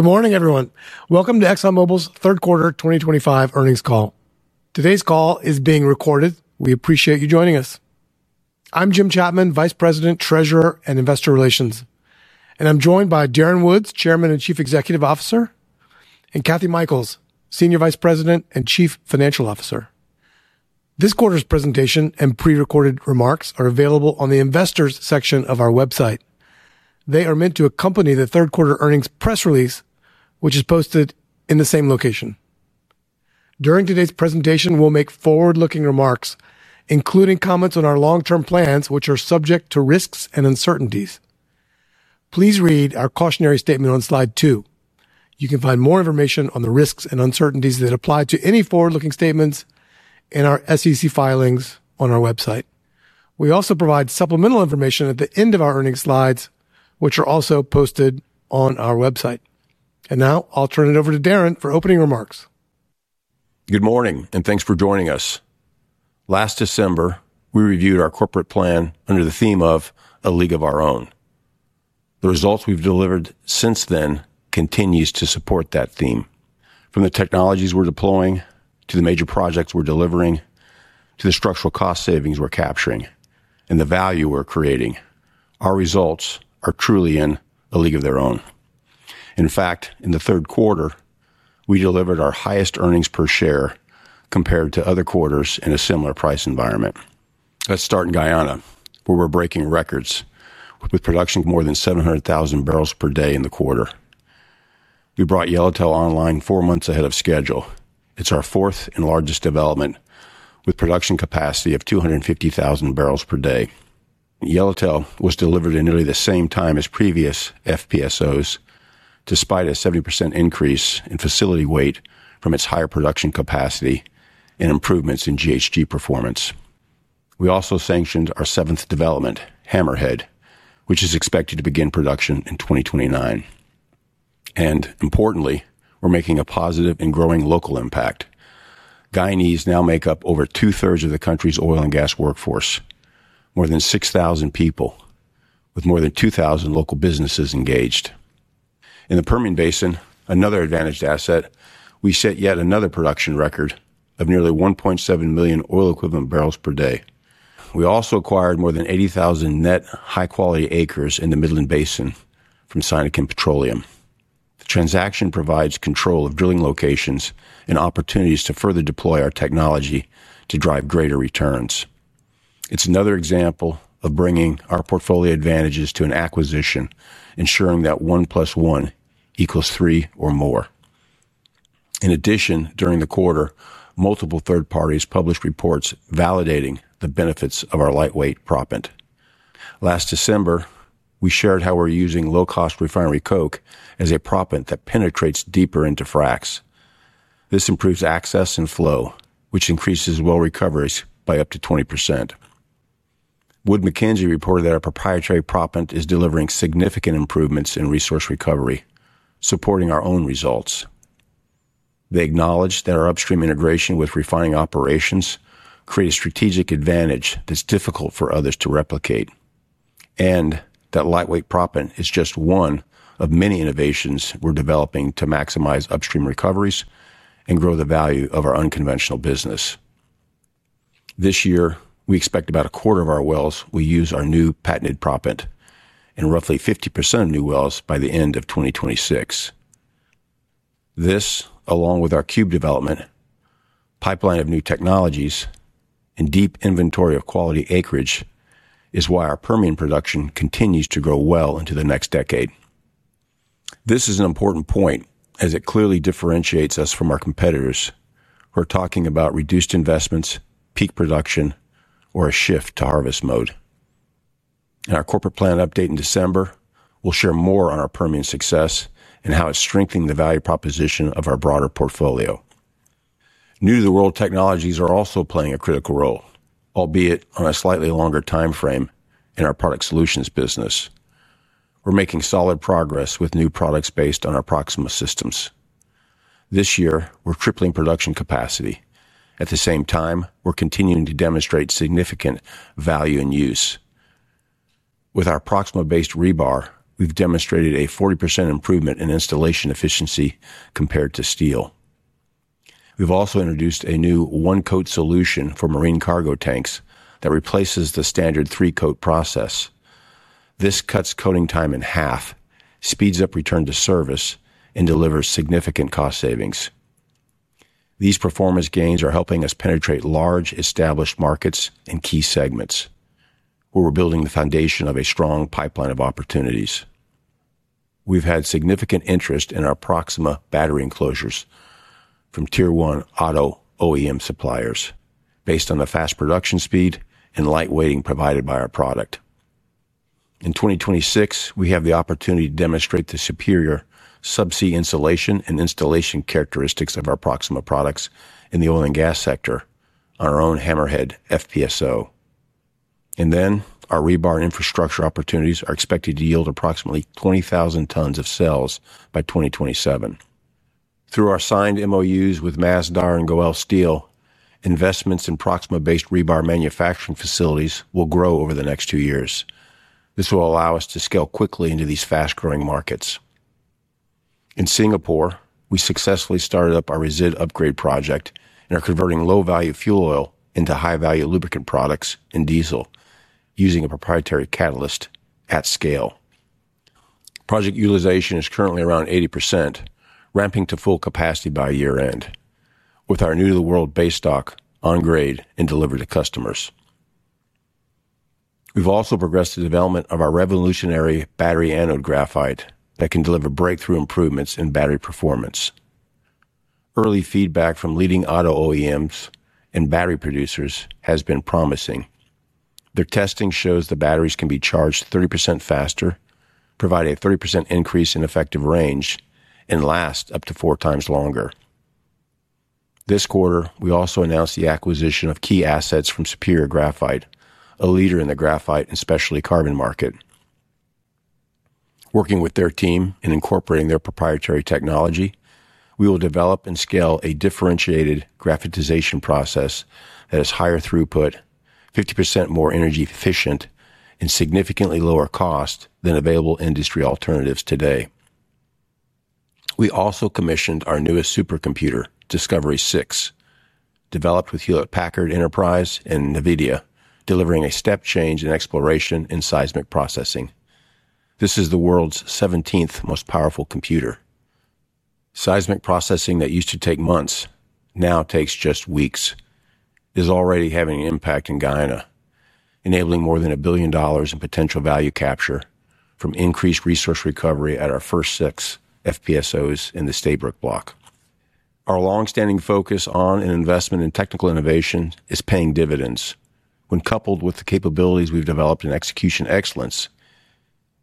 Good morning, everyone. Welcome to ExxonMobil's third quarter 2025 earnings call. Today's call is being recorded. We appreciate you joining us. I'm Jim Chapman, Vice President, Treasurer, and Investor Relations, and I'm joined by Darren Woods, Chairman and Chief Executive Officer, and Kathryn Mikells, Senior Vice President and Chief Financial Officer. This quarter's presentation and pre-recorded remarks are available on the Investors section of our website. They are meant to accompany the third quarter earnings press release, which is posted in the same location. During today's presentation, we'll make forward-looking remarks, including comments on our long-term plans, which are subject to risks and uncertainties. Please read our cautionary statement on slide two. You can find more information on the risks and uncertainties that apply to any forward-looking statements in our SEC filings on our website. We also provide supplemental information at the end of our earnings slides, which are also posted on our website. Now I'll turn it over to Darren for opening remarks. Good morning, and thanks for joining us. Last December, we reviewed our corporate plan under the theme of "A League of Our Own." The results we've delivered since then continue to support that theme. From the technologies we're deploying to the major projects we're delivering to the structural cost savings we're capturing and the value we're creating, our results are truly in "A League of Their Own." In fact, in the third quarter, we delivered our highest earnings per share compared to other quarters in a similar price environment. Let's start in Guyana, where we're breaking records with production of more than 700,000 barrels per day in the quarter. We brought Yellowtail online four months ahead of schedule. It's our fourth and largest development, with production capacity of 250,000 barrels per day. Yellowtail was delivered at nearly the same time as previous FPSOs, despite a 70% increase in facility weight from its higher production capacity and improvements in GHG performance. We also sanctioned our seventh development, Hammerhead, which is expected to begin production in 2029. Importantly, we're making a positive and growing local impact. Guyanese now make up over two-thirds of the country's oil and gas workforce, more than 6,000 people, with more than 2,000 local businesses engaged. In the Permian Basin, another advantaged asset, we set yet another production record of nearly 1.7 million oil-equivalent barrels per day. We also acquired more than 80,000 net high-quality acres in the Midland Basin from Sinicon Petroleum. The transaction provides control of drilling locations and opportunities to further deploy our technology to drive greater returns. It's another example of bringing our portfolio advantages to an acquisition, ensuring that 1+1=3 or more. In addition, during the quarter, multiple third parties published reports validating the benefits of our lightweight proppant. Last December, we shared how we're using low-cost refinery coke as a proppant that penetrates deeper into fracs. This improves access and flow, which increases well recoveries by up to 20%. Wood Mackenzie reported that our proprietary proppant is delivering significant improvements in resource recovery, supporting our own results. They acknowledged that our upstream integration with refining operations creates a strategic advantage that's difficult for others to replicate. That lightweight proppant is just one of many innovations we're developing to maximize upstream recoveries and grow the value of our unconventional business. This year, we expect about a quarter of our wells will use our new patented proppant and roughly 50% of new wells by the end of 2026. This, along with our cube development pipeline of new technologies and deep inventory of quality acreage, is why our Permian production continues to grow well into the next decade. This is an important point as it clearly differentiates us from our competitors who are talking about reduced investments, peak production, or a shift to harvest mode. In our corporate plan update in December, we'll share more on our Permian success and how it's strengthening the value proposition of our broader portfolio. New-to-the-world technologies are also playing a critical role, albeit on a slightly longer time frame, in our product solutions business. We're making solid progress with new products based on our Proxima systems. This year, we're tripling production capacity. At the same time, we're continuing to demonstrate significant value in use. With our Proxima-based rebar, we've demonstrated a 40% improvement in installation efficiency compared to steel. We've also introduced a new one-coat solution for marine cargo tanks that replaces the standard three-coat process. This cuts coating time in half, speeds up return to service, and delivers significant cost savings. These performance gains are helping us penetrate large established markets and key segments, where we're building the foundation of a strong pipeline of opportunities. We've had significant interest in our Proxima battery enclosures from tier one auto OEM suppliers, based on the fast production speed and light weighting provided by our product. In 2026, we have the opportunity to demonstrate the superior subsea insulation and installation characteristics of our Proxima products in the oil and gas sector on our own Hammerhead FPSO. Our rebar infrastructure opportunities are expected to yield approximately 20,000 tons of sales by 2027. Through our signed MOUs with Masdar and Goel Steel, investments in Proxima-based rebar manufacturing facilities will grow over the next two years. This will allow us to scale quickly into these fast-growing markets. In Singapore, we successfully started up our resid upgrade project and are converting low-value fuel oil into high-value lubricant products and diesel using a proprietary catalyst at scale. Project utilization is currently around 80%, ramping to full capacity by year-end, with our new-to-the-world base stock on-grade and delivered to customers. We've also progressed the development of our revolutionary battery anode graphite that can deliver breakthrough improvements in battery performance. Early feedback from leading auto OEMs and battery producers has been promising. Their testing shows the batteries can be charged 30% faster, provide a 30% increase in effective range, and last up to four times longer. This quarter, we also announced the acquisition of key assets from Superior Graphite, a leader in the graphite and specialty carbon market. Working with their team and incorporating their proprietary technology, we will develop and scale a differentiated graphitization process that is higher throughput, 50% more energy efficient, and significantly lower cost than available industry alternatives today. We also commissioned our newest supercomputer, Discovery six. Developed with Hewlett Packard Enterprise and NVIDIA, delivering a step change in exploration and seismic processing. This is the world's 17th most powerful computer. Seismic processing that used to take months now takes just weeks. It is already having an impact in Guyana, enabling more than $1 billion in potential value capture from increased resource recovery at our first six FPSOs in the Stabroek block. Our longstanding focus on and investment in technical innovation is paying dividends. When coupled with the capabilities we've developed in execution excellence,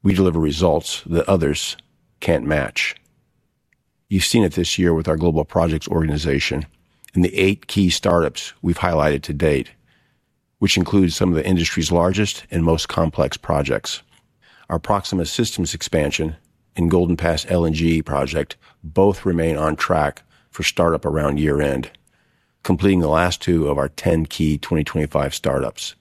we deliver results that others can't match. You've seen it this year with our global projects organization and the eight key startups we've highlighted to date, which includes some of the industry's largest and most complex projects. Our Proxima systems expansion and Golden Pass LNG project both remain on track for startup around year-end, completing the last two of our 10 key 2025 startups.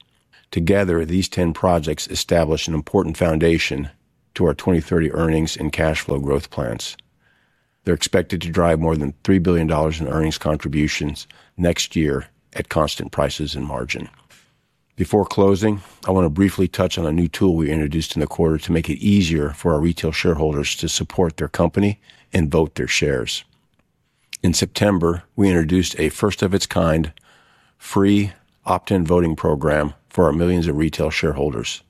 Together, these 10 projects establish an important foundation to our 2030 earnings and cash flow growth plans. They're expected to drive more than $3 billion in earnings contributions next year at constant prices and margin. Before closing, I want to briefly touch on a new tool we introduced in the quarter to make it easier for our retail shareholders to support their company and vote their shares. In September, we introduced a first-of-its-kind, free opt-in voting program for our millions of retail shareholders.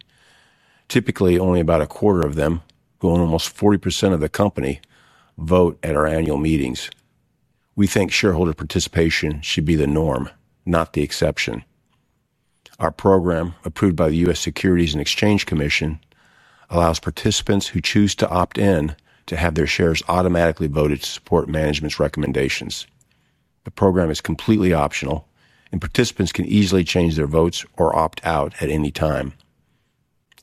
Typically, only about a quarter of them, who own almost 40% of the company, vote at our annual meetings. We think shareholder participation should be the norm, not the exception. Our program, approved by the U.S. Securities and Exchange Commission, allows participants who choose to opt in to have their shares automatically voted to support management's recommendations. The program is completely optional, and participants can easily change their votes or opt out at any time.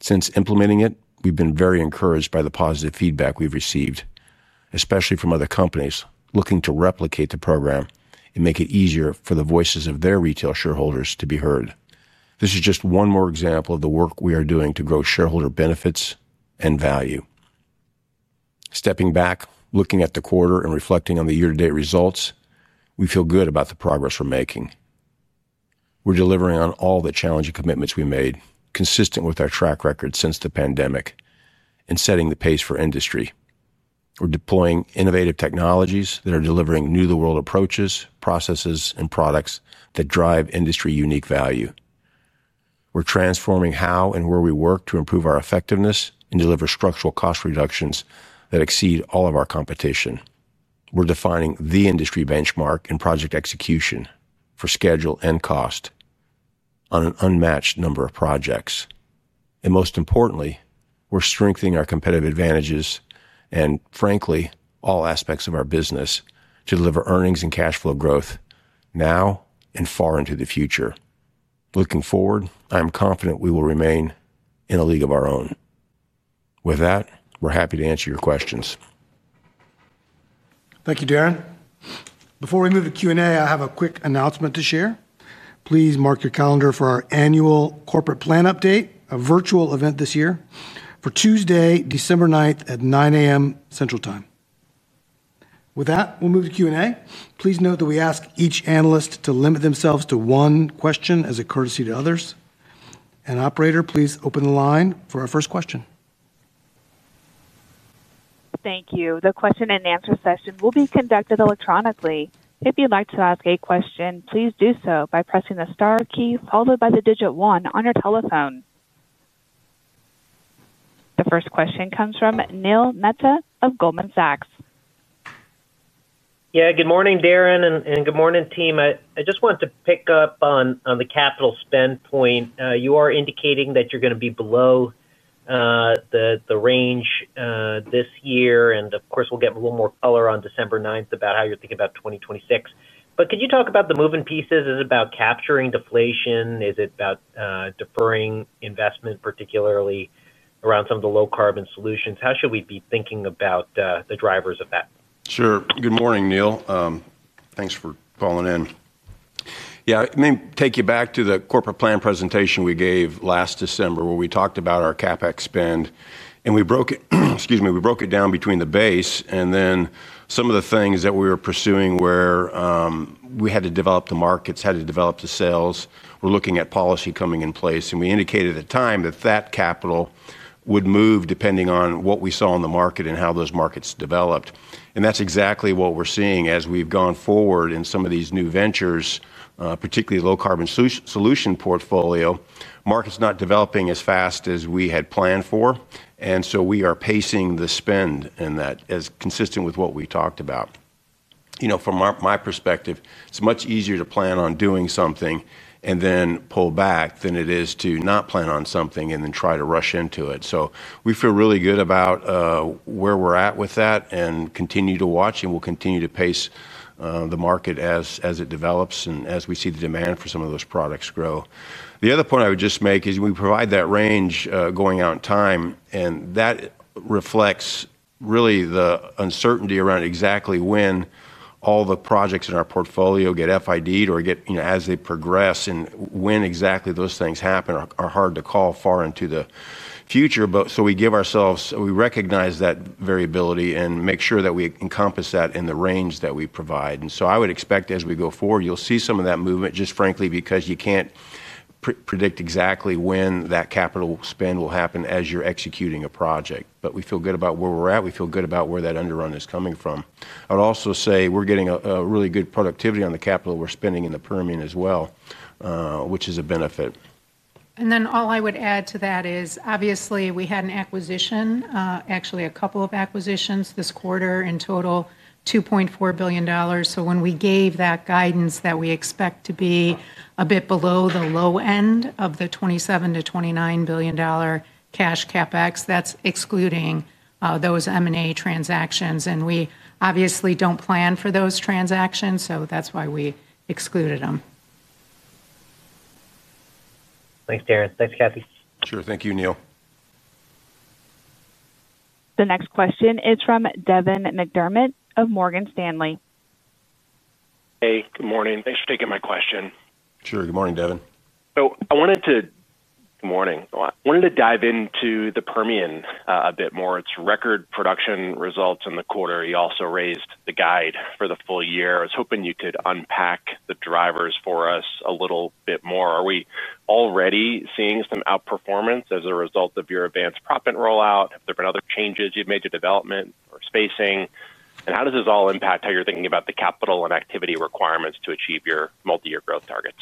Since implementing it, we've been very encouraged by the positive feedback we've received, especially from other companies looking to replicate the program and make it easier for the voices of their retail shareholders to be heard. This is just one more example of the work we are doing to grow shareholder benefits and value. Stepping back, looking at the quarter and reflecting on the year-to-date results, we feel good about the progress we're making. We're delivering on all the challenging commitments we made, consistent with our track record since the pandemic and setting the pace for industry. We're deploying innovative technologies that are delivering new-to-the-world approaches, processes, and products that drive industry unique value. We're transforming how and where we work to improve our effectiveness and deliver structural cost reductions that exceed all of our competition. We're defining the industry benchmark in project execution for schedule and cost on an unmatched number of projects. Most importantly, we're strengthening our competitive advantages and, frankly, all aspects of our business to deliver earnings and cash flow growth now and far into the future. Looking forward, I'm confident we will remain in a league of our own. With that, we're happy to answer your questions. Thank you, Darren. Before we move to Q&A, I have a quick announcement to share. Please mark your calendar for our annual corporate plan update, a virtual event this year, for Tuesday, December 9 at 9:00 A.M. Central Time. With that, we'll move to Q&A. Please note that we ask each analyst to limit themselves to one question as a courtesy to others. Operator, please open the line for our first question. Thank you. The question and answer session will be conducted electronically. If you'd like to ask a question, please do so by pressing the star key followed by the digit one on your telephone. The first question comes from Neil Mehta of Goldman Sachs. Yeah, good morning, Darren, and good morning, team. I just want to pick up on the capital spend point. You are indicating that you're going to be below the range this year. Of course, we'll get a little more color on December 9th about how you're thinking about 2026. Could you talk about the moving pieces? Is it about capturing deflation? Is it about deferring investment, particularly around some of the low-carbon solutions? How should we be thinking about the drivers of that? Sure. Good morning, Neil. Thanks for calling in. I may take you back to the corporate plan presentation we gave last December where we talked about our CapEx spend. We broke it down between the base and then some of the things that we were pursuing where we had to develop the markets, had to develop the sales, we're looking at policy coming in place. We indicated at the time that that capital would move depending on what we saw in the market and how those markets developed. That's exactly what we're seeing as we've gone forward in some of these new ventures, particularly low-carbon solution portfolio. Market's not developing as fast as we had planned for, and we are pacing the spend in that as consistent with what we talked about. You know, from my perspective, it's much easier to plan on doing something and then pull back than it is to not plan on something and then try to rush into it. We feel really good about where we're at with that and continue to watch. We'll continue to pace the market as it develops and as we see the demand for some of those products grow. The other point I would just make is we provide that range going out in time, and that reflects really the uncertainty around exactly when all the projects in our portfolio get FID'd or get, you know, as they progress. When exactly those things happen are hard to call far into the future. We give ourselves, we recognize that variability and make sure that we encompass that in the range that we provide. I would expect as we go forward, you'll see some of that movement just frankly because you can't predict exactly when that capital spend will happen as you're executing a project. We feel good about where we're at. We feel good about where that underrun is coming from. I would also say we're getting a really good productivity on the capital we're spending in the Permian as well, which is a benefit. All I would add to that is obviously we had an acquisition, actually a couple of acquisitions this quarter in total, $2.4 billion. When we gave that guidance that we expect to be a bit below the low end of the $27 to $29 billion cash CapEx, that's excluding those M&A transactions. We obviously don't plan for those transactions, which is why we excluded them. Thanks, Darren. Thanks, Kathy. Sure. Thank you, Neil. The next question is from Devin McDermott of Morgan Stanley. Hey, good morning. Thanks for taking my question. Sure. Good morning, Devin. Good morning. I wanted to dive into the Permian a bit more. Its record production results in the quarter. You also raised the guide for the full year. I was hoping you could unpack the drivers for us a little bit more. Are we already seeing some outperformance as a result of your advanced proppant rollout? Have there been other changes you've made to development or spacing? How does this all impact how you're thinking about the capital and activity requirements to achieve your multi-year growth targets?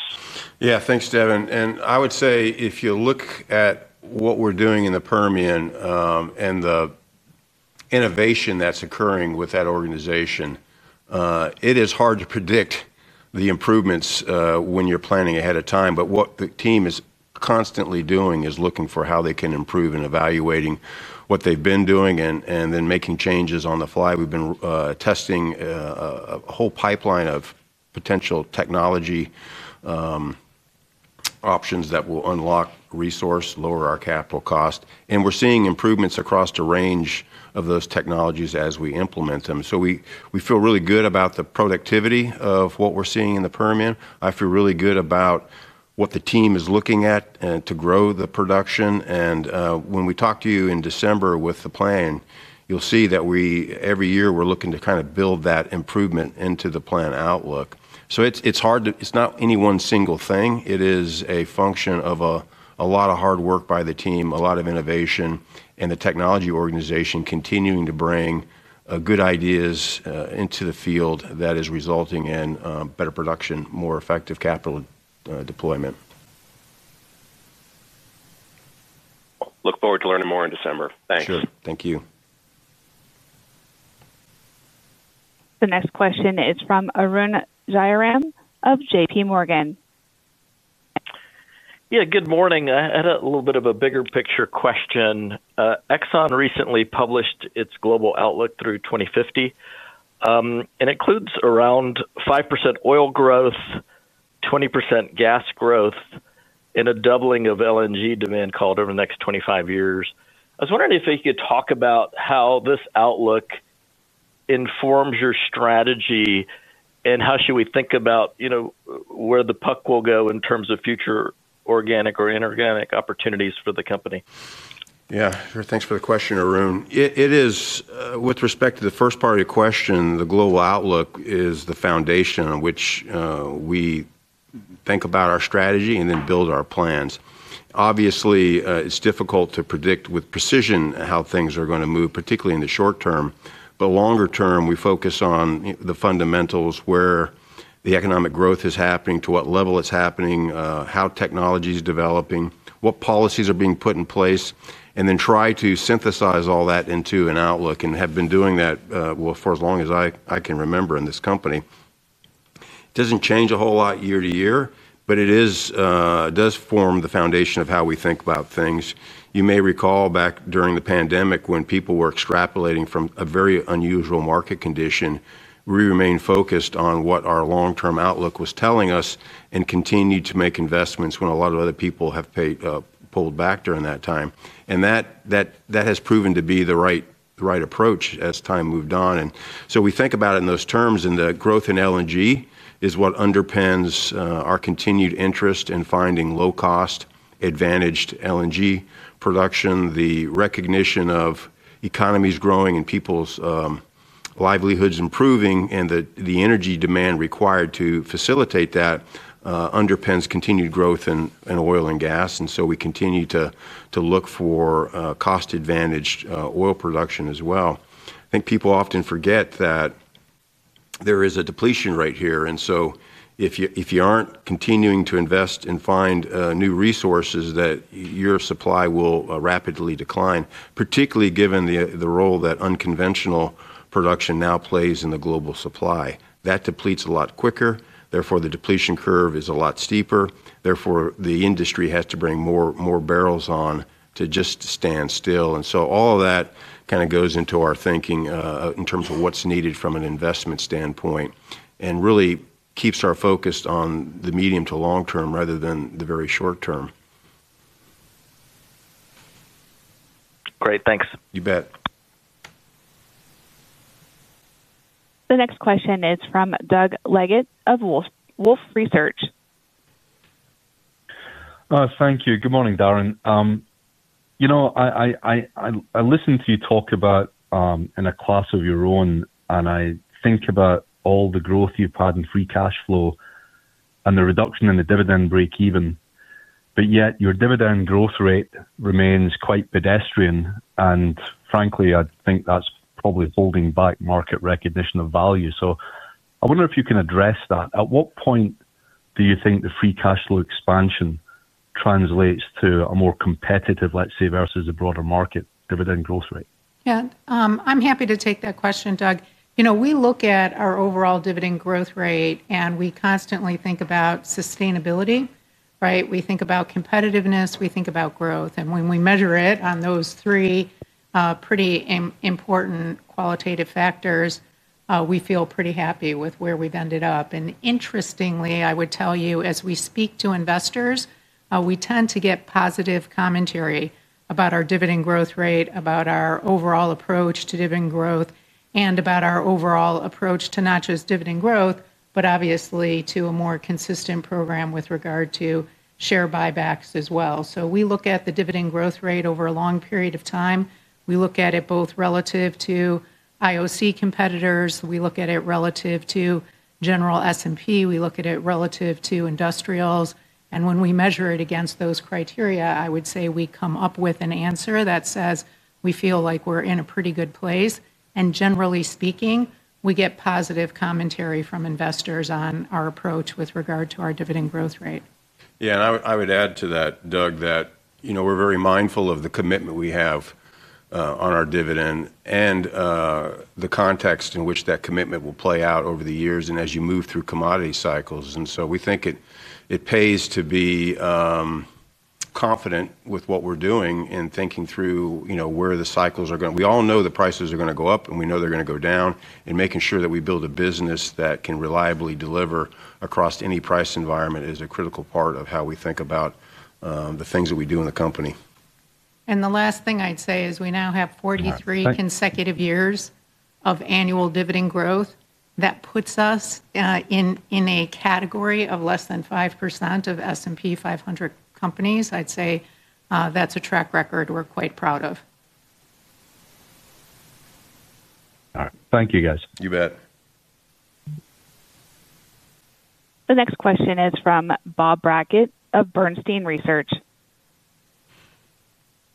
Yeah, thanks, Devin. I would say if you look at what we're doing in the Permian and the innovation that's occurring with that organization, it is hard to predict the improvements when you're planning ahead of time. What the team is constantly doing is looking for how they can improve and evaluating what they've been doing, then making changes on the fly. We've been testing a whole pipeline of potential technology options that will unlock resource, lower our capital cost, and we're seeing improvements across the range of those technologies as we implement them. We feel really good about the productivity of what we're seeing in the Permian. I feel really good about what the team is looking at to grow the production. When we talk to you in December with the plan, you'll see that every year, we're looking to kind of build that improvement into the plan outlook. It's not any one single thing. It is a function of a lot of hard work by the team, a lot of innovation, and the technology organization continuing to bring good ideas into the field that is resulting in better production, more effective capital deployment. Look forward to learning more in December. Thanks. Sure. Thank you. The next question is from Arun Jayaram of JPMorgan Chase & Co. Yeah, good morning. I had a little bit of a bigger picture question. ExxonMobil recently published its global outlook through 2050, and it includes around 5% oil growth, 20% gas growth, and a doubling of LNG demand called over the next 25 years. I was wondering if you could talk about how this outlook informs your strategy and how should we think about, you know, where the puck will go in terms of future organic or inorganic opportunities for the company? Yeah, thanks for the question, Arun. With respect to the first part of your question, the global outlook is the foundation on which we think about our strategy and then build our plans. Obviously, it's difficult to predict with precision how things are going to move, particularly in the short term. Longer term, we focus on the fundamentals: where the economic growth is happening, to what level it's happening, how technology is developing, what policies are being put in place, and then try to synthesize all that into an outlook. We have been doing that for as long as I can remember in this company. It doesn't change a whole lot year to year, but it does form the foundation of how we think about things. You may recall back during the pandemic when people were extrapolating from a very unusual market condition, we remained focused on what our long-term outlook was telling us and continued to make investments when a lot of other people pulled back during that time. That has proven to be the right approach as time moved on. We think about it in those terms. The growth in LNG is what underpins our continued interest in finding low-cost, advantaged LNG production, the recognition of economies growing and people's livelihoods improving, and the energy demand required to facilitate that underpins continued growth in oil and gas. We continue to look for cost-advantaged oil production as well. I think people often forget that there is a depletion rate here, and if you aren't continuing to invest and find new resources, your supply will rapidly decline, particularly given the role that unconventional production now plays in the global supply. That depletes a lot quicker. Therefore, the depletion curve is a lot steeper. The industry has to bring more barrels on to just stand still. All of that goes into our thinking in terms of what's needed from an investment standpoint and really keeps our focus on the medium to long term rather than the very short term. Great. Thanks. You bet. The next question is from Doug Leggett of Wolfe Research. Thank you. Good morning, Darren. I listened to you talk about in a class of your own, and I think about all the growth you've had in free cash flow and the reduction in the dividend break-even. Yet your dividend growth rate remains quite pedestrian. Frankly, I think that's probably holding back market recognition of value. I wonder if you can address that. At what point do you think the free cash flow expansion translates to a more competitive, let's say, versus a broader market dividend growth rate? Yeah, I'm happy to take that question, Doug. You know, we look at our overall dividend growth rate, and we constantly think about sustainability, right? We think about competitiveness, we think about growth. When we measure it on those three pretty important qualitative factors, we feel pretty happy with where we've ended up. Interestingly, I would tell you, as we speak to investors, we tend to get positive commentary about our dividend growth rate, about our overall approach to dividend growth, and about our overall approach to not just dividend growth, but obviously to a more consistent program with regard to share buybacks as well. We look at the dividend growth rate over a long period of time. We look at it both relative to IOC competitors. We look at it relative to general S&P. We look at it relative to industrials. When we measure it against those criteria, I would say we come up with an answer that says we feel like we're in a pretty good place. Generally speaking, we get positive commentary from investors on our approach with regard to our dividend growth rate. Yeah, I would add to that, Doug, that we're very mindful of the commitment we have on our dividend and the context in which that commitment will play out over the years as you move through commodity cycles. We think it pays to be confident with what we're doing and thinking through where the cycles are going. We all know the prices are going to go up and we know they're going to go down. Making sure that we build a business that can reliably deliver across any price environment is a critical part of how we think about the things that we do in the company. And the last thing I would say is we now have 43 consecutive years of annual dividend growth. That puts us in a category of less than 5% of S&P 500 companies. I'd say that's a track record we're quite proud of. All right. Thank you, guys. You bet. The next question is from Bob Brackett of Bernstein Research.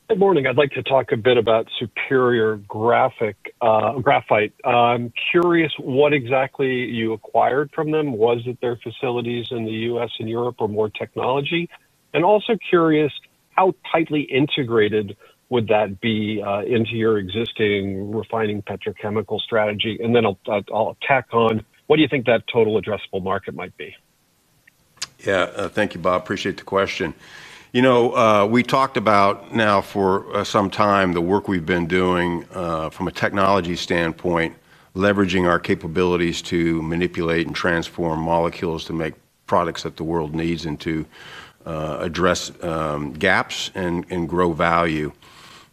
Good morning. I'd like to talk a bit about Superior Graphite. I'm curious what exactly you acquired from them. Was it their facilities in the U.S. and Europe or more technology? I'm also curious how tightly integrated would that be into your existing refining petrochemical strategy. I'll tack on what do you think that total addressable market might be? Yeah, thank you, Bob. Appreciate the question. You know, we talked about now for some time the work we've been doing from a technology standpoint, leveraging our capabilities to manipulate and transform molecules to make products that the world needs and to address gaps and grow value.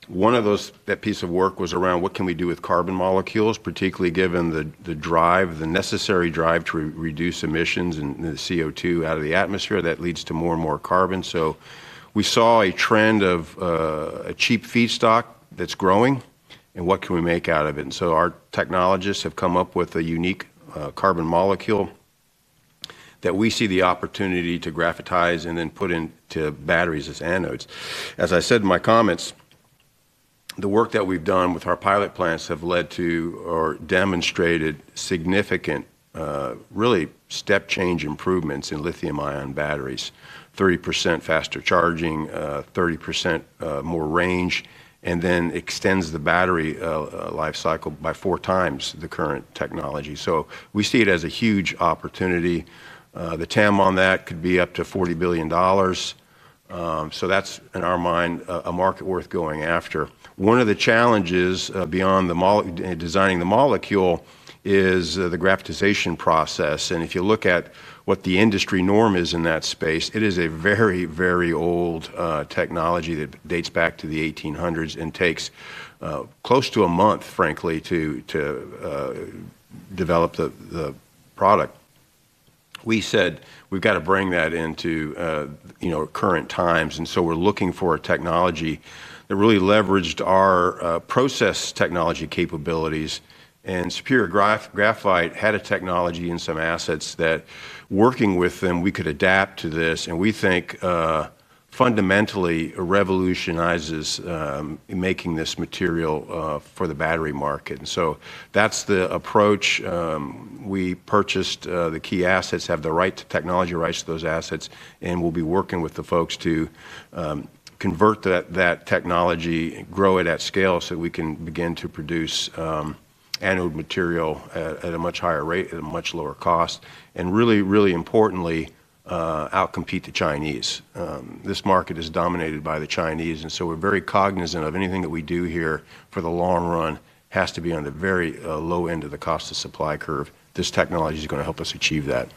One of those, that piece of work was around what can we do with carbon molecules, particularly given the drive, the necessary drive to reduce emissions and the CO2 out of the atmosphere that leads to more and more carbon. We saw a trend of a cheap feedstock that's growing and what can we make out of it. Our technologists have come up with a unique carbon molecule that we see the opportunity to graphitize and then put into batteries as anodes. As I said in my comments, the work that we've done with our pilot plants have led to or demonstrated significant, really step-change improvements in lithium-ion batteries, 30% faster charging, 30% more range, and then extends the battery lifecycle by four times the current technology. We see it as a huge opportunity. The TAM on that could be up to $40 billion. That's, in our mind, a market worth going after. One of the challenges beyond designing the molecule is the graphitization process. If you look at what the industry norm is in that space, it is a very, very old technology that dates back to the 1800s and takes close to a month, frankly, to develop the product. We said we've got to bring that into current times. We're looking for a technology that really leveraged our process technology capabilities. Superior Graphite had a technology and some assets that working with them, we could adapt to this. We think fundamentally revolutionizes making this material for the battery market. That's the approach. We purchased the key assets, have the right technology rights to those assets, and we'll be working with the folks to convert that technology, grow it at scale so we can begin to produce anode material at a much higher rate at a much lower cost, and really, really importantly, outcompete the Chinese. This market is dominated by the Chinese. We're very cognizant of anything that we do here for the long run has to be on the very low end of the cost of supply curve. This technology is going to help us achieve that.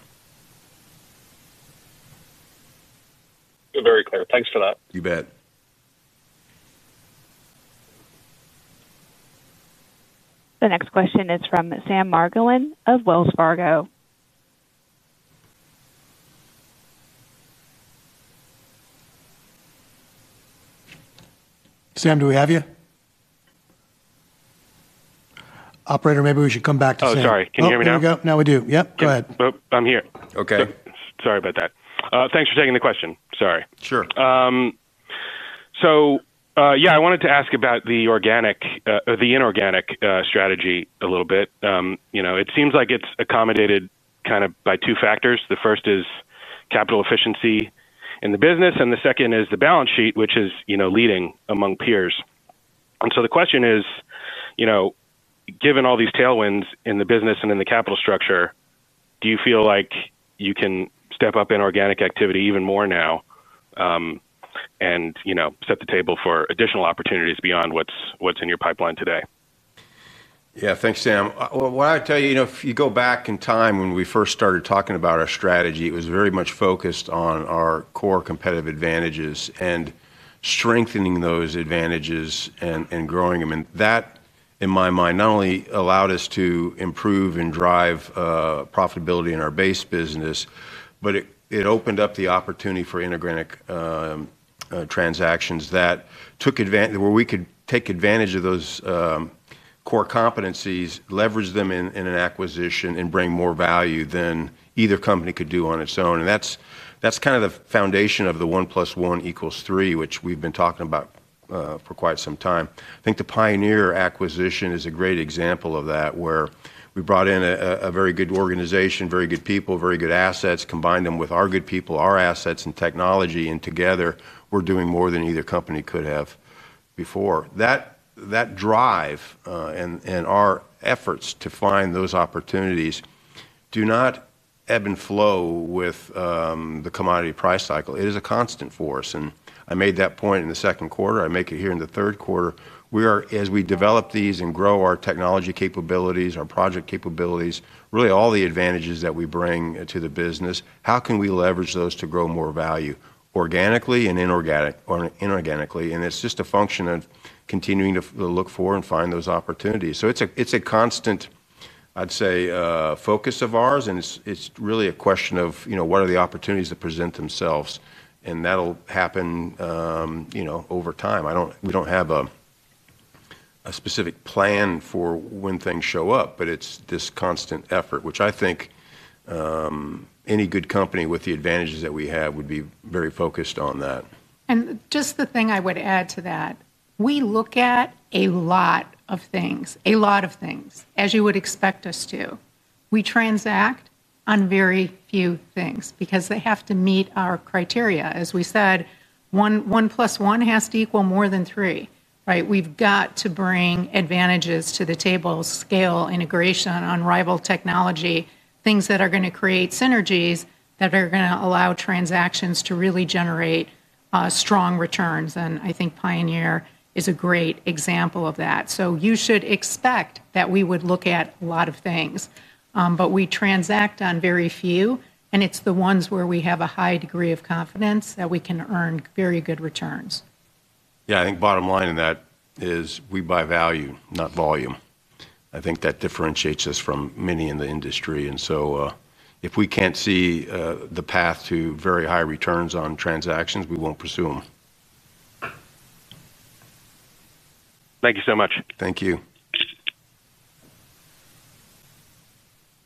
Very clear. Thanks for that. You bet. The next question is from Sam Margolin of Wells Fargo. Sam, do we have you? Operator, maybe we should come back to Sam. Oh, sorry. Can you hear me now? Now we do. Yep, go ahead. I'm here. Okay. Sorry about that. Thanks for taking the question. Sorry. Sure. I wanted to ask about the organic or the inorganic strategy a little bit. It seems like it's accommodated kind of by two factors. The first is capital efficiency in the business, and the second is the balance sheet, which is, you know, leading among peers. The question is, you know, given all these tailwinds in the business and in the capital structure, do you feel like you can step up in organic activity even more now, and set the table for additional opportunities beyond what's in your pipeline today? Yeah, thanks, Sam. If you go back in time when we first started talking about our strategy, it was very much focused on our core competitive advantages and strengthening those advantages and growing them. That, in my mind, not only allowed us to improve and drive profitability in our base business, but it opened up the opportunity for inorganic transactions that took advantage where we could take advantage of those core competencies, leverage them in an acquisition, and bring more value than either company could do on its own. That's kind of the foundation of the one plus one equals three, which we've been talking about for quite some time. I think the Pioneer acquisition is a great example of that, where we brought in a very good organization, very good people, very good assets, combined them with our good people, our assets, and technology, and together we're doing more than either company could have before. That drive and our efforts to find those opportunities do not ebb and flow with the commodity price cycle. It is a constant force. I made that point in the second quarter. I make it here in the third quarter. We are, as we develop these and grow our technology capabilities, our project capabilities, really all the advantages that we bring to the business, looking at how we can leverage those to grow more value organically and inorganically. It's just a function of continuing to look for and find those opportunities. It's a constant, I'd say, focus of ours. It's really a question of what are the opportunities that present themselves. That'll happen over time. We don't have a specific plan for when things show up, but it's this constant effort, which I think any good company with the advantages that we have would be very focused on. Just the thing I would add to that, we look at a lot of things, a lot of things, as you would expect us to. We transact on very few things because they have to meet our criteria. As we said, one plus one has to equal more than three, right? We've got to bring advantages to the table, scale, integration, unrivaled technology, things that are going to create synergies that are going to allow transactions to really generate strong returns. I think Pioneer is a great example of that. You should expect that we would look at a lot of things, but we transact on very few, and it's the ones where we have a high degree of confidence that we can earn very good returns. I think bottom line in that is we buy value, not volume. I think that differentiates us from many in the industry. If we can't see the path to very high returns on transactions, we won't pursue them. Thank you so much. Thank you.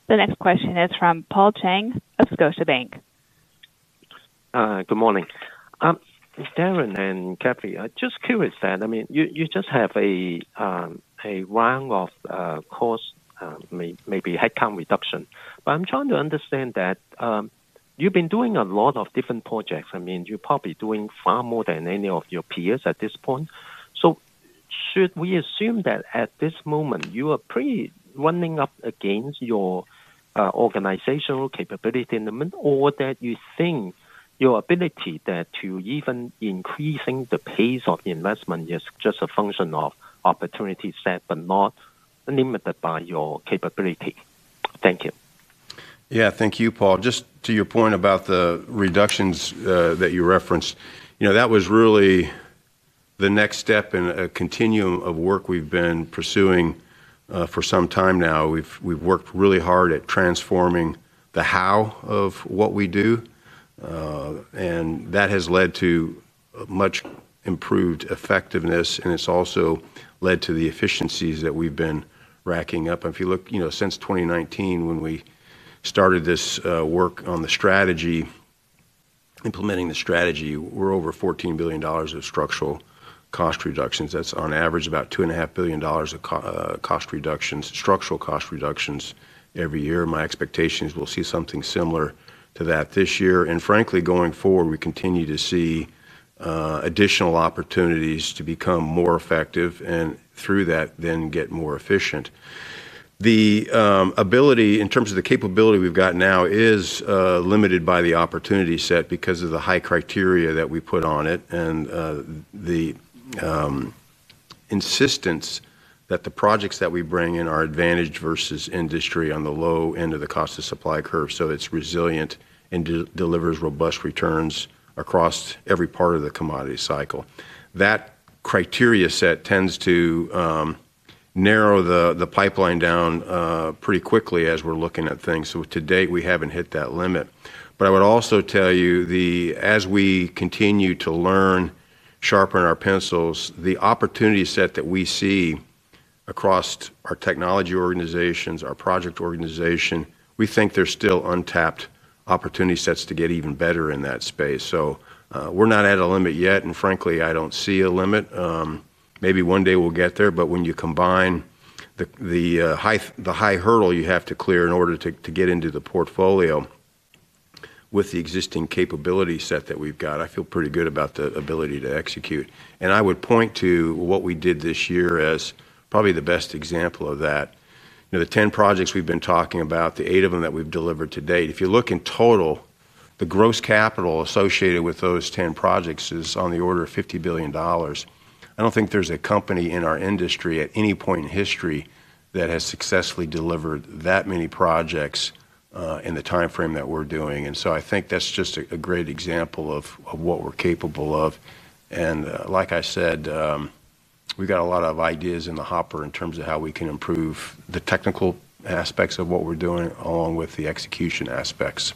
The next question is from Paul Cheng of Scotiabank. Good morning. Darren and Kathy, I'm just curious that, I mean, you just have a rung of cost, maybe headcount reduction. I'm trying to understand that. You've been doing a lot of different projects. I mean, you're probably doing far more than any of your peers at this point. Should we assume that at this moment you are pretty running up against your organizational capability in the moment, or that you think your ability to even increase the pace of investment is just a function of opportunity set, but not limited by your capability? Thank you. Yeah, thank you, Paul. To your point about the reductions that you referenced, that was really the next step in a continuum of work we've been pursuing for some time now. We've worked really hard at transforming the how of what we do, and that has led to much improved effectiveness, and it's also led to the efficiencies that we've been racking up. If you look, since 2019, when we started this work on the strategy, implementing the strategy, we're over $14 billion of structural cost reductions. That's on average about $2.5 billion of structural cost reductions every year. My expectation is we'll see something similar to that this year. Frankly, going forward, we continue to see additional opportunities to become more effective and through that then get more efficient. The ability in terms of the capability we've got now is limited by the opportunity set because of the high criteria that we put on it and the insistence that the projects that we bring in are advantaged versus industry on the low end of the cost of supply curve. It's resilient and delivers robust returns across every part of the commodity cycle. That criteria set tends to narrow the pipeline down pretty quickly as we're looking at things. To date, we haven't hit that limit. I would also tell you that as we continue to learn, sharpen our pencils, the opportunity set that we see across our technology organizations, our project organization, we think there's still untapped opportunity sets to get even better in that space. We're not at a limit yet. Frankly, I don't see a limit. Maybe one day we'll get there. When you combine the high hurdle you have to clear in order to get into the portfolio with the existing capability set that we've got, I feel pretty good about the ability to execute. I would point to what we did this year as probably the best example of that. The 10 projects we've been talking about, the eight of them that we've delivered to date, if you look in total, the gross capital associated with those 10 projects is on the order of $50 billion. I don't think there's a company in our industry at any point in history that has successfully delivered that many projects in the timeframe that we're doing. I think that's just a great example of what we're capable of. Like I said, we've got a lot of ideas in the hopper in terms of how we can improve the technical aspects of what we're doing along with the execution aspects.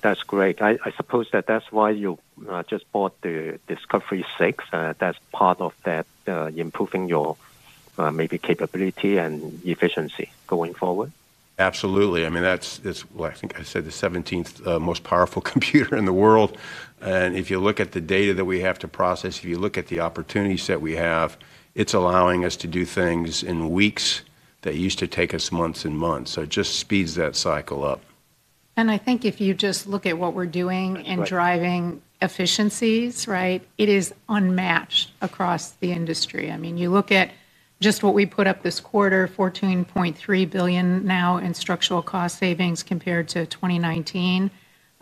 That's great. I suppose that that's why you just bought the Discovery six. That's part of that, improving your maybe capability and efficiency going forward. Absolutely. I mean, that's, I think I said the 17th most powerful computer in the world. If you look at the data that we have to process, if you look at the opportunities that we have, it's allowing us to do things in weeks that used to take us months and months. It just speeds that cycle up. If you just look at what we're doing and driving efficiencies, it is unmatched across the industry. I mean, you look at just what we put up this quarter, $14.3 billion now in structural cost savings compared to 2019.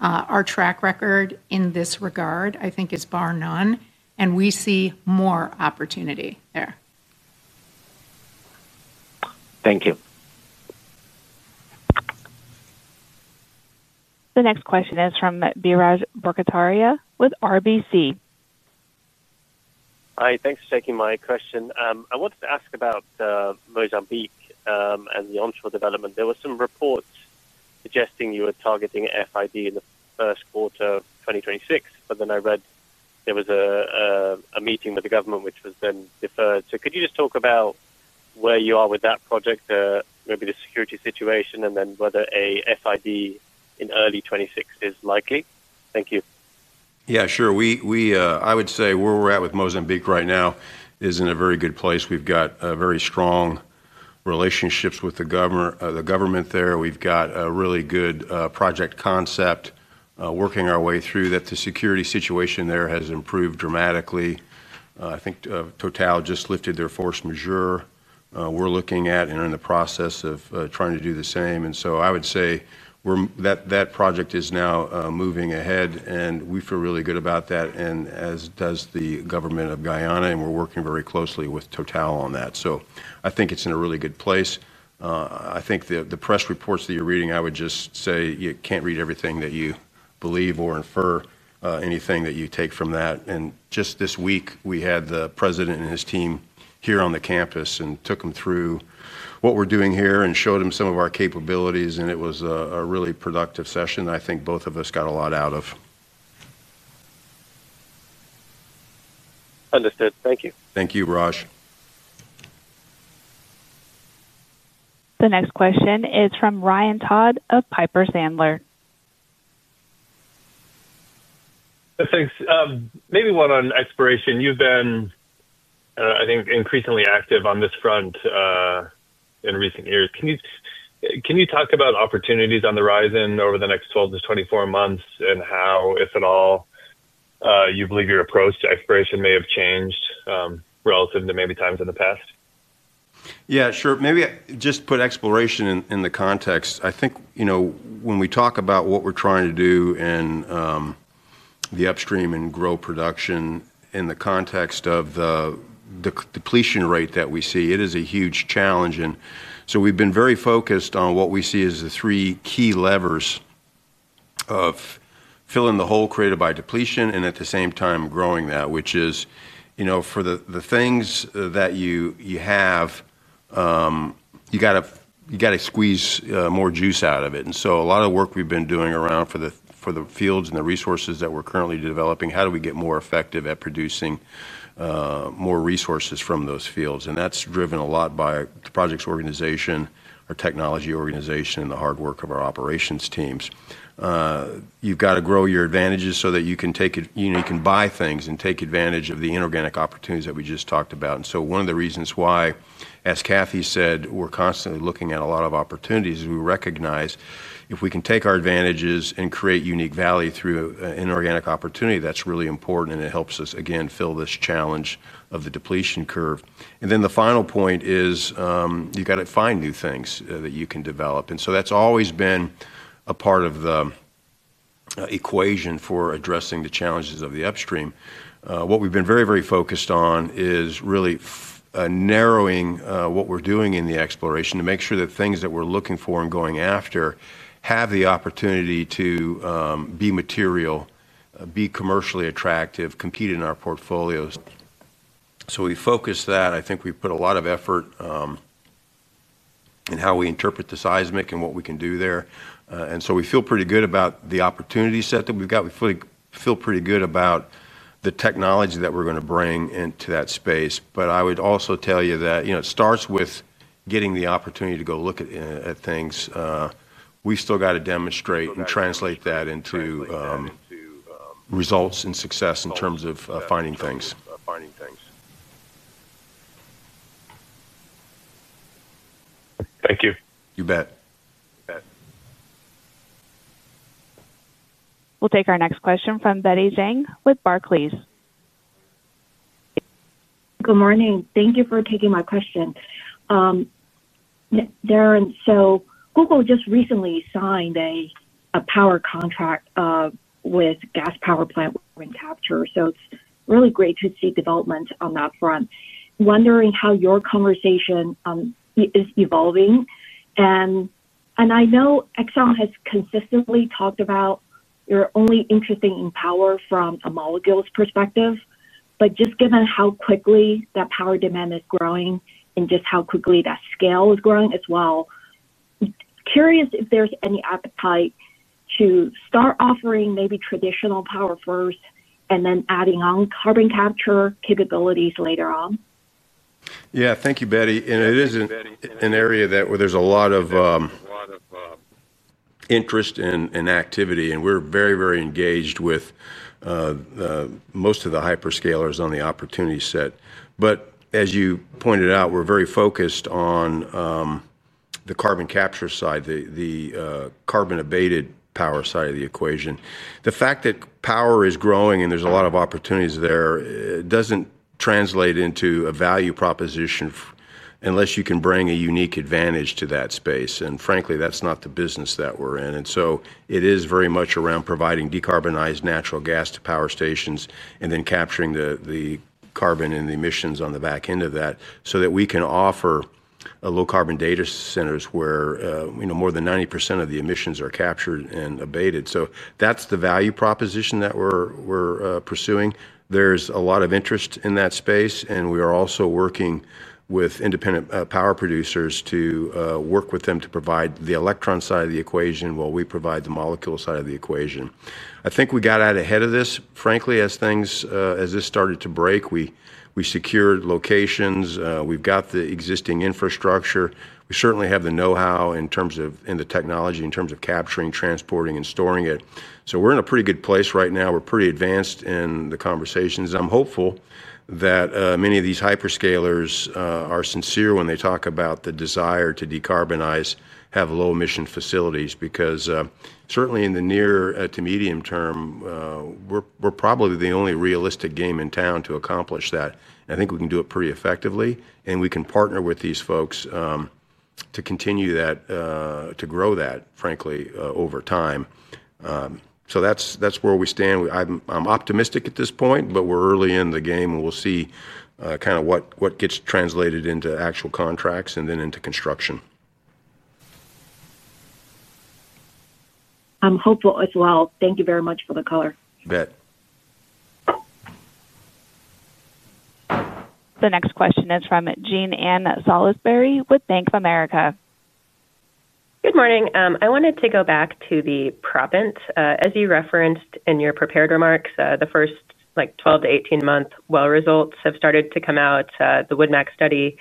Our track record in this regard, I think, is bar none. We see more opportunity there. Thank you. The next question is from Biraj Borkhataria with RBC. Hi, thanks for taking my question. I wanted to ask about Mozambique and the onshore development. There were some reports suggesting you were targeting FID in the first quarter of 2026, but then I read there was a meeting with the government which was then deferred. Could you just talk about where you are with that project, maybe the security situation, and whether an FID in early 2026 is likely? Thank you. Yeah, sure. I would say where we're at with Mozambique right now is in a very good place. We've got very strong relationships with the government there. We've got a really good project concept working our way through that. The security situation there has improved dramatically. I think Total just lifted their force majeure. We're looking at and are in the process of trying to do the same. I would say that project is now moving ahead, and we feel really good about that, as does the government of Guyana. We're working very closely with Total on that. I think it's in a really good place. The press reports that you're reading, I would just say you can't read everything that you believe or infer anything that you take from that. Just this week, we had the president and his team here on the campus and took them through what we're doing here and showed them some of our capabilities. It was a really productive session. I think both of us got a lot out of it. Understood. Thank you. Thank you, Raj. The next question is from Ryan Todd of Piper Sandler. Thanks. Maybe one on exploration. You've been, I think, increasingly active on this front in recent years. Can you talk about opportunities on the horizon over the next 12-24 months and how, if at all, you believe your approach to exploration may have changed relative to maybe times in the past? Yeah, sure. Maybe just put exploration in the context. I think, you know, when we talk about what we're trying to do in the upstream and grow production in the context of the depletion rate that we see, it is a huge challenge. We've been very focused on what we see as the three key levers of filling the hole created by depletion and at the same time growing that, which is, you know, for the things that you have, you got to squeeze more juice out of it. A lot of the work we've been doing around for the fields and the resources that we're currently developing, how do we get more effective at producing more resources from those fields? That's driven a lot by the project's organization, our technology organization, and the hard work of our operations teams. You got to grow your advantages so that you can take it, you know, you can buy things and take advantage of the inorganic opportunities that we just talked about. One of the reasons why, as Kathy said, we're constantly looking at a lot of opportunities is we recognize if we can take our advantages and create unique value through an inorganic opportunity, that's really important. It helps us, again, fill this challenge of the depletion curve. The final point is you got to find new things that you can develop. That's always been a part of the equation for addressing the challenges of the upstream. What we've been very, very focused on is really narrowing what we're doing in the exploration to make sure that things that we're looking for and going after have the opportunity to be material, be commercially attractive, compete in our portfolios. We focus that. I think we put a lot of effort in how we interpret the seismic and what we can do there. We feel pretty good about the opportunity set that we've got. We feel pretty good about the technology that we're going to bring into that space. I would also tell you that, you know, it starts with getting the opportunity to go look at things. We've still got to demonstrate and translate that into results and success in terms of finding things. Thank you. You bet. We'll take our next question from Betty Zhang with Barclays. Good morning. Thank you for taking my question. Darren, Google just recently signed a power contract with a gas power plant and carbon capture. It's really great to see developments on that front. Wondering how your conversation is evolving. I know ExxonMobil has consistently talked about you're only interested in power from a molecule's perspective, but just given how quickly that power demand is growing and just how quickly that scale is growing as well, curious if there's any appetite to start offering maybe traditional power first and then adding on carbon capture capabilities later on. Thank you, Betty. It is an area where there's a lot of interest and activity. We're very, very engaged with most of the hyperscalers on the opportunity set. As you pointed out, we're very focused on the carbon capture side, the carbon abated power side of the equation. The fact that power is growing and there's a lot of opportunities there doesn't translate into a value proposition unless you can bring a unique advantage to that space. Frankly, that's not the business that we're in. It is very much around providing decarbonized natural gas to power stations and then capturing the carbon and the emissions on the back end of that so that we can offer low carbon data centers where more than 90% of the emissions are captured and abated. That's the value proposition that we're pursuing. There's a lot of interest in that space. We are also working with independent power producers to work with them to provide the electron side of the equation while we provide the molecule side of the equation. I think we got out ahead of this. Frankly, as this started to break, we secured locations. We've got the existing infrastructure. We certainly have the know-how in terms of the technology, in terms of capturing, transporting, and storing it. We're in a pretty good place right now. We're pretty advanced in the conversations. I'm hopeful that many of these hyperscalers are sincere when they talk about the desire to decarbonize, have low emission facilities because certainly in the near to medium term, we're probably the only realistic game in town to accomplish that. I think we can do it pretty effectively. We can partner with these folks to continue that, to grow that, frankly, over time. That's where we stand. I'm optimistic at this point, but we're early in the game. We'll see what gets translated into actual contracts and then into construction. I'm hopeful as well. Thank you very much for the color. You bet. The next question is from Jean Anne Salisbury with Bank of America. Good morning. I wanted to go back to the province. As you referenced in your prepared remarks, the first 12-18 month well results have started to come out, the Wood Mackenzie study.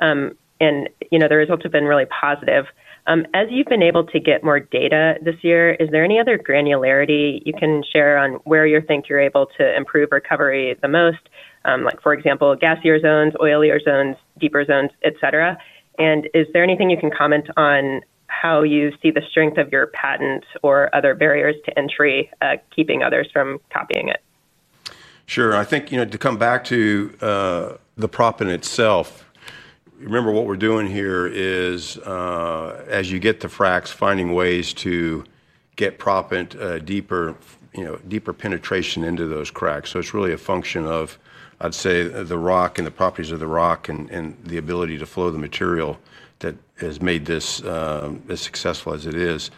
The results have been really positive. As you've been able to get more data this year, is there any other granularity you can share on where you think you're able to improve recovery the most, like for example, gasier zones, oilier zones, deeper zones, etc.? Is there anything you can comment on how you see the strength of your patent or other barriers to entry keeping others from copying it? Sure. I think, you know, to come back to the proppant itself. Remember what we're doing here is, as you get the fracs, finding ways to get proppant deeper, you know, deeper penetration into those cracks. It's really a function of, I'd say, the rock and the properties of the rock and the ability to flow the material that has made this as successful as it is.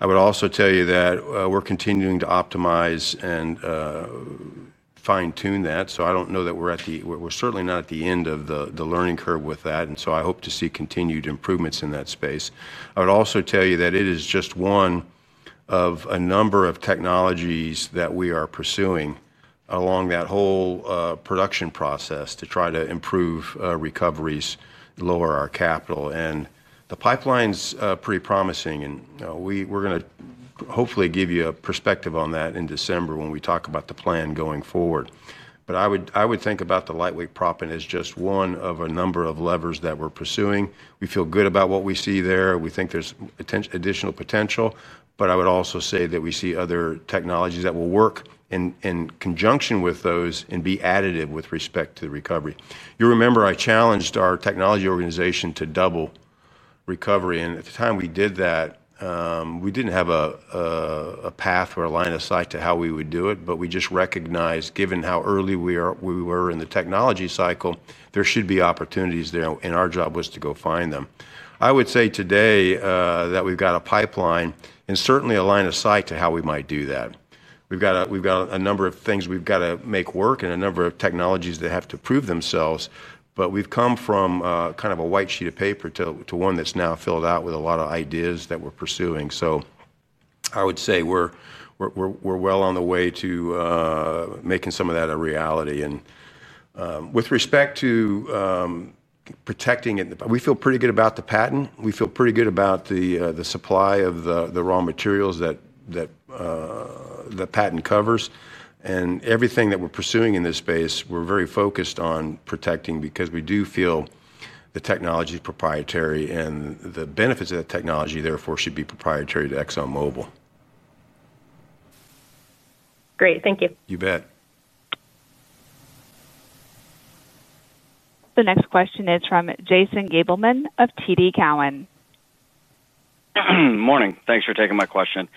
I would also tell you that we're continuing to optimize and fine-tune that. I don't know that we're at the, we're certainly not at the end of the learning curve with that. I hope to see continued improvements in that space. I would also tell you that it is just one of a number of technologies that we are pursuing along that whole production process to try to improve recoveries, lower our capital, and the pipeline's pretty promising. We're going to hopefully give you a perspective on that in December when we talk about the plan going forward. I would think about the lightweight proppant as just one of a number of levers that we're pursuing. We feel good about what we see there. We think there's additional potential. I would also say that we see other technologies that will work in conjunction with those and be additive with respect to the recovery. You remember I challenged our technology organization to double recovery. At the time we did that, we didn't have a path or a line of sight to how we would do it. We just recognized, given how early we were in the technology cycle, there should be opportunities there, and our job was to go find them. I would say today that we've got a pipeline and certainly a line of sight to how we might do that. We've got a number of things we've got to make work and a number of technologies that have to prove themselves. We've come from kind of a white sheet of paper to one that's now filled out with a lot of ideas that we're pursuing. I would say we're well on the way to making some of that a reality. With respect to protecting it, we feel pretty good about the patent. We feel pretty good about the supply of the raw materials that the patent covers. Everything that we're pursuing in this space, we're very focused on protecting because we do feel the technology is proprietary and the benefits of that technology, therefore, should be proprietary to ExxonMobil. Great. Thank you. You bet. The next question is from Jason Gabelman of TD Cowen. Morning. Thanks for taking my question.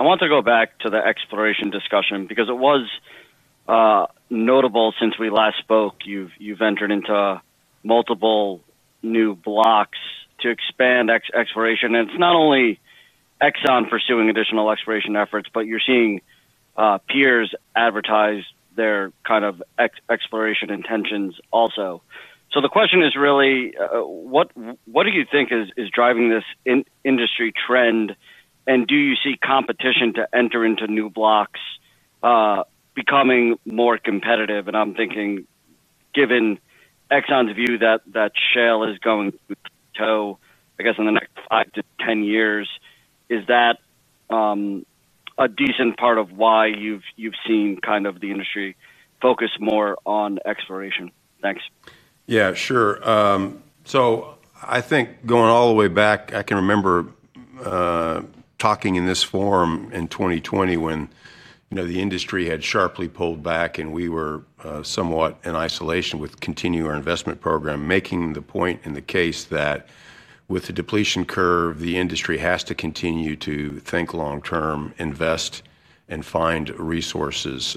I want to go back to the exploration discussion because it was notable since we last spoke. You've entered into multiple new blocks to expand exploration. It's not only ExxonMobil pursuing additional exploration efforts, you're seeing peers advertise their kind of exploration intentions also. The question is really, what do you think is driving this industry trend? Do you see competition to enter into new blocks becoming more competitive? I'm thinking, given ExxonMobil's view that shale is going to, I guess, in the next 5-10 years, is that a decent part of why you've seen kind of the industry focus more on exploration? Thanks. Yeah, sure. I think going all the way back, I can remember talking in this forum in 2020 when, you know, the industry had sharply pulled back and we were somewhat in isolation with continuing our investment program, making the point in the case that with the depletion curve, the industry has to continue to think long term, invest, and find resources.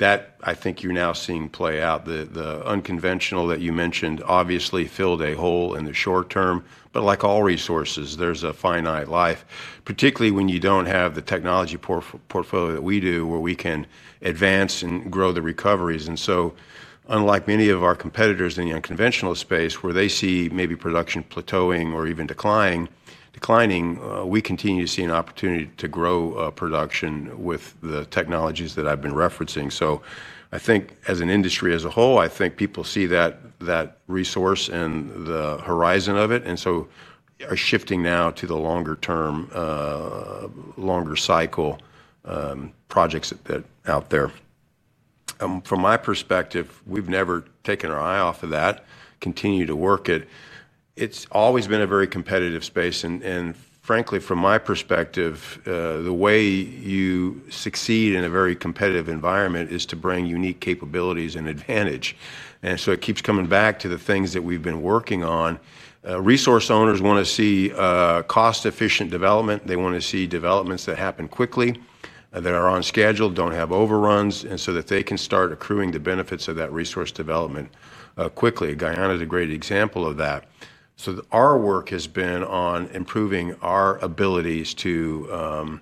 I think you're now seeing that play out. The unconventional that you mentioned obviously filled a hole in the short term. Like all resources, there's a finite life, particularly when you don't have the technology portfolio that we do where we can advance and grow the recoveries. Unlike many of our competitors in the unconventional space, where they see maybe production plateauing or even declining, we continue to see an opportunity to grow production with the technologies that I've been referencing. I think as an industry as a whole, people see that resource and the horizon of it and are shifting now to the longer term, longer cycle projects out there. From my perspective, we've never taken our eye off of that, continued to work it. It's always been a very competitive space. Frankly, from my perspective, the way you succeed in a very competitive environment is to bring unique capabilities and advantage. It keeps coming back to the things that we've been working on. Resource owners want to see cost-efficient development. They want to see developments that happen quickly, that are on schedule, don't have overruns, so that they can start accruing the benefits of that resource development quickly. Guyana is a great example of that. Our work has been on improving our abilities to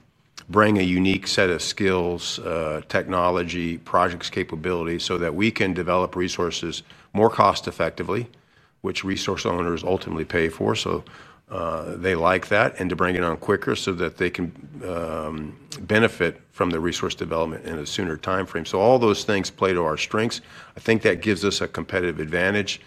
bring a unique set of skills, technology, project capabilities so that we can develop resources more cost-effectively, which resource owners ultimately pay for. They like that. To bring it on quicker so that they can benefit from the resource development in a sooner time frame. All those things play to our strengths. I think that gives us a competitive advantage.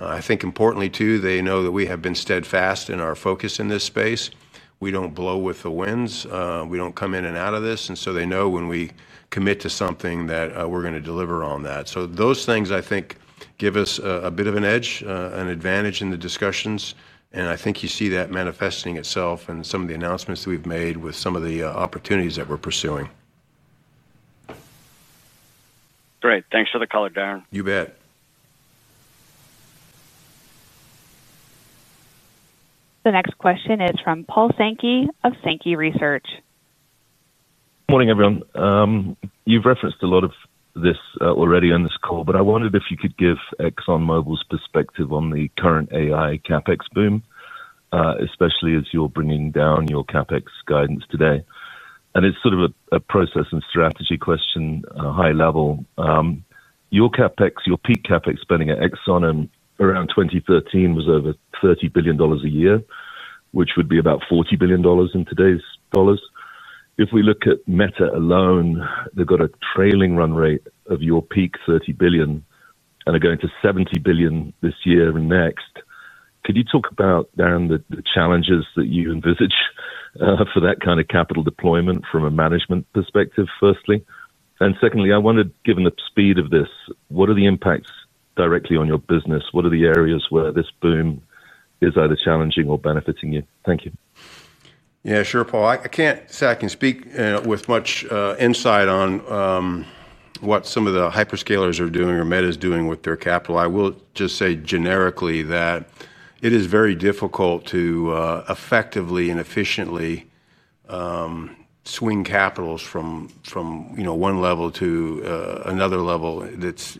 Importantly, they know that we have been steadfast in our focus in this space. We don't blow with the winds. We don't come in and out of this. They know when we commit to something that we're going to deliver on that. Those things, I think, give us a bit of an edge, an advantage in the discussions. I think you see that manifesting itself in some of the announcements that we've made with some of the opportunities that we're pursuing. Great. Thanks for the color, Darren. You bet. The next question is from Paul Sankey of Sankey Research. Morning, everyone. You've referenced a lot of this already on this call, but I wondered if you could give ExxonMobil's perspective on the current AI CapEx boom, especially as you're bringing down your CapEx guidance today. It's sort of a process and strategy question, high level. Your CapEx, your peak CapEx spending at ExxonMobil around 2013 was over $30 billion a year, which would be about $40 billion in today's dollars. If we look at Meta alone, they've got a trailing run rate of your peak, $30 billion, and they're going to $70 billion this year and next. Could you talk about, Darren, the challenges that you envisage for that kind of capital deployment from a management perspective, firstly? Secondly, I wondered, given the speed of this, what are the impacts directly on your business? What are the areas where this boom is either challenging or benefiting you? Thank you. Yeah, sure, Paul. I can't say I can speak with much insight on what some of the hyperscalers are doing or Meta is doing with their capital. I will just say generically that it is very difficult to effectively and efficiently swing capital from one level to another level that's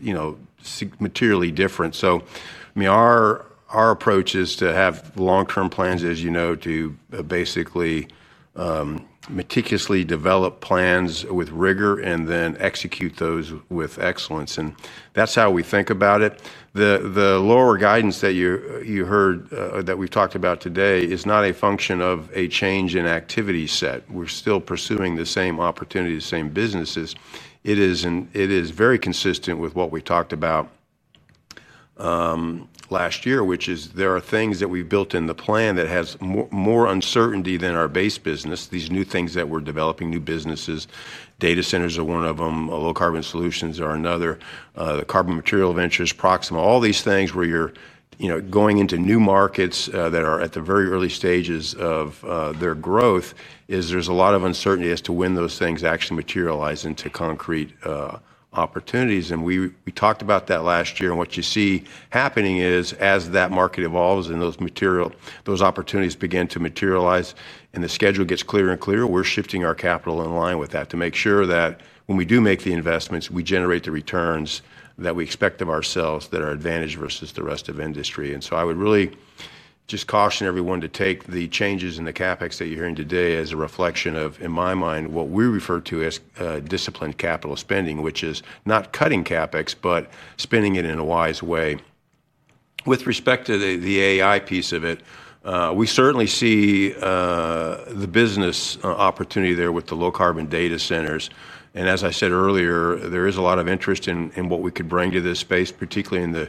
materially different. I mean, our approach is to have long-term plans, as you know, to basically meticulously develop plans with rigor and then execute those with excellence. That's how we think about it. The lower guidance that you heard, that we've talked about today, is not a function of a change in activity set. We're still pursuing the same opportunity, the same businesses. It is very consistent with what we talked about last year, which is there are things that we've built in the plan that have more uncertainty than our base business, these new things that we're developing, new businesses. Data centers are one of them. Low carbon solutions are another. The carbon material ventures, Proxima, all these things where you're going into new markets that are at the very early stages of their growth, there is a lot of uncertainty as to when those things actually materialize into concrete opportunities. We talked about that last year. What you see happening is, as that market evolves and those opportunities begin to materialize and the schedule gets clearer and clearer, we're shifting our capital in line with that to make sure that when we do make the investments, we generate the returns that we expect of ourselves that are advantageous versus the rest of the industry. I would really just caution everyone to take the changes in the CapEx that you're hearing today as a reflection of, in my mind, what we refer to as disciplined capital spending, which is not cutting CapEx, but spending it in a wise way. With respect to the AI piece of it, we certainly see the business opportunity there with the low carbon data centers. As I said earlier, there is a lot of interest in what we could bring to this space, particularly in the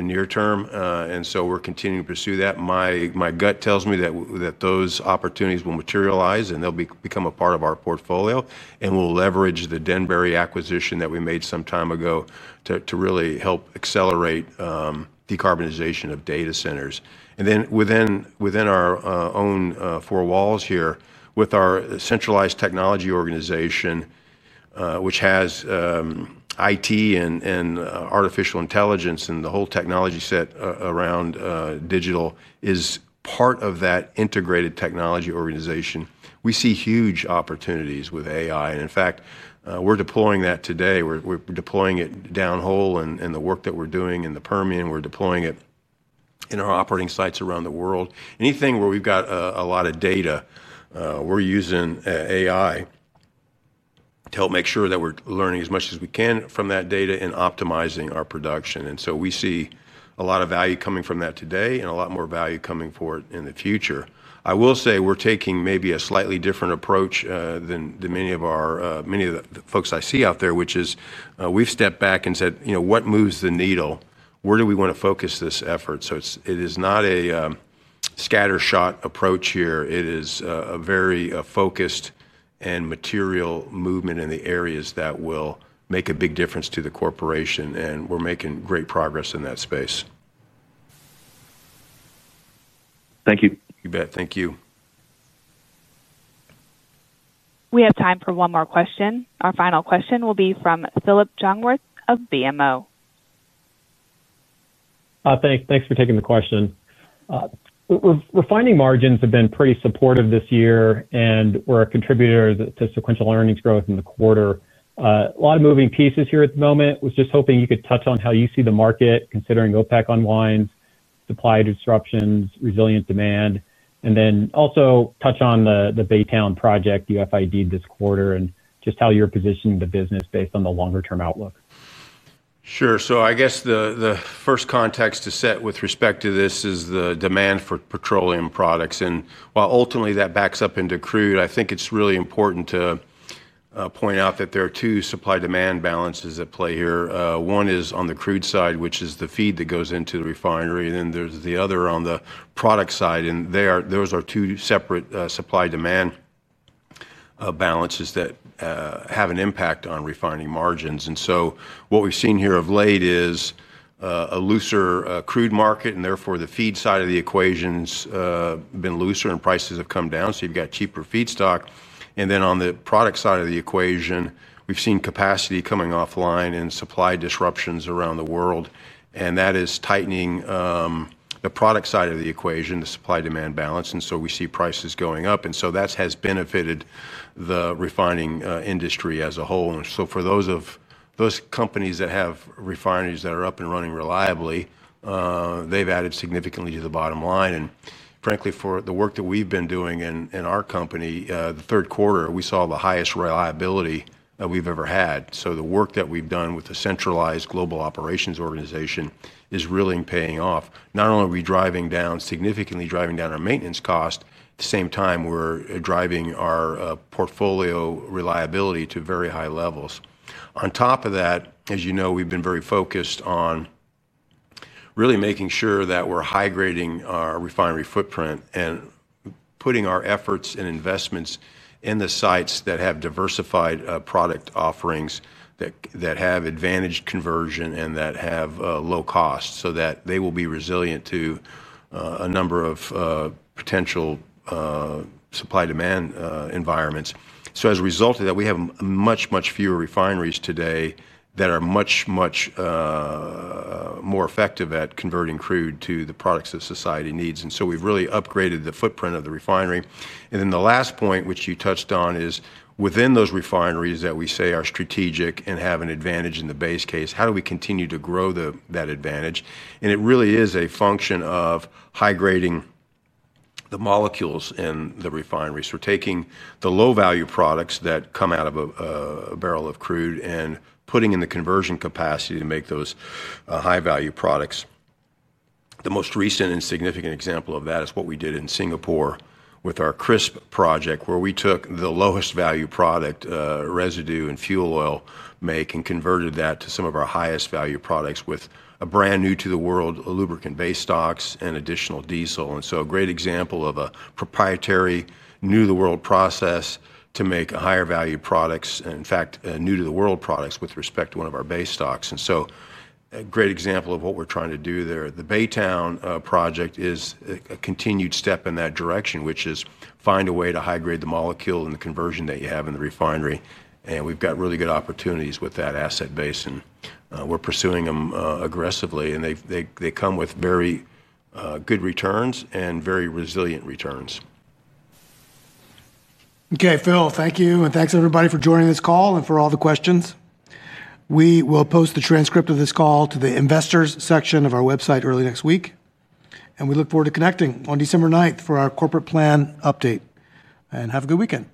near term. We're continuing to pursue that. My gut tells me that those opportunities will materialize and they'll become a part of our portfolio. We'll leverage the Denbury acquisition that we made some time ago to really help accelerate decarbonization of data centers. Within our own four walls here, with our centralized technology organization, which has. IT and artificial intelligence and the whole technology set around digital is part of that integrated technology organization. We see huge opportunities with AI, and in fact, we're deploying that today. We're deploying it downhole in the work that we're doing in the Permian. We're deploying it in our operating sites around the world. Anything where we've got a lot of data, we're using AI to help make sure that we're learning as much as we can from that data and optimizing our production. We see a lot of value coming from that today and a lot more value coming forward in the future. I will say we're taking maybe a slightly different approach than many of the folks I see out there, which is we've stepped back and said, you know, what moves the needle? Where do we want to focus this effort? It is not a scattershot approach here. It is a very focused and material movement in the areas that will make a big difference to the corporation. We're making great progress in that space. Thank you. You bet. Thank you. We have time for one more question. Our final question will be from Phillip Jungwirth of BMO. Thanks for taking the question. Refining margins have been pretty supportive this year, and were a contributor to sequential earnings growth in the quarter. A lot of moving pieces here at the moment. I was just hoping you could touch on how you see the market, considering OPEC onlines, supply disruptions, resilient demand, and then also touch on the Baytown project you have ID'd this quarter and just how you're positioning the business based on the longer-term outlook. Sure. I guess the first context to set with respect to this is the demand for petroleum products. While ultimately that backs up into crude, I think it's really important to point out that there are two supply-demand balances at play here. One is on the crude side, which is the feed that goes into the refinery, and then there's the other on the product side. Those are two separate supply-demand balances that have an impact on refining margins. What we've seen here of late is a looser crude market, and therefore the feed side of the equation's been looser and prices have come down, so you've got cheaper feedstock. On the product side of the equation, we've seen capacity coming offline and supply disruptions around the world, and that is tightening the product side of the equation, the supply-demand balance. We see prices going up, and that has benefited the refining industry as a whole. For those companies that have refineries that are up and running reliably, they've added significantly to the bottom line. Frankly, for the work that we've been doing in our company, the third quarter, we saw the highest reliability that we've ever had. The work that we've done with the centralized global operations organization is really paying off. Not only are we significantly driving down our maintenance cost, at the same time, we're driving our portfolio reliability to very high levels. On top of that, as you know, we've been very focused on really making sure that we're high-grading our refinery footprint and putting our efforts and investments in the sites that have diversified product offerings that have advantaged conversion and that have low cost so that they will be resilient to a number of potential supply-demand environments. As a result of that, we have much, much fewer refineries today that are much, much more effective at converting crude to the products that society needs. We've really upgraded the footprint of the refinery. The last point, which you touched on, is within those refineries that we say are strategic and have an advantage in the base case, how do we continue to grow that advantage? It really is a function of high-grading the molecules in the refineries. We're taking the low-value products that come out of a barrel of crude and putting in the conversion capacity to make those high-value products. The most recent and significant example of that is what we did in Singapore with our Singapore resid upgrade project, where we took the lowest-value product, residue and fuel oil make, and converted that to some of our highest-value products with a brand new to the world lubricant base stocks and additional diesel. This is a great example of a proprietary, new-to-the-world process to make higher-value products, and in fact, new-to-the-world products with respect to one of our base stocks. This is a great example of what we're trying to do there. The Baytown project is a continued step in that direction, which is find a way to high-grade the molecule and the conversion that you have in the refinery. We have really good opportunities with that asset base. We're pursuing them aggressively, and they come with very good returns and very resilient returns. Okay, Phil, thank you. Thank you, everybody, for joining this call and for all the questions. We will post the transcript of this call to the investors section of our website early next week. We look forward to connecting on December 9th for our corporate plan update. Have a good weekend.